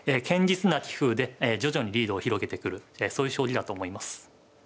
堅実な棋風で徐々にリードを広げてくるそういう将棋だと思います。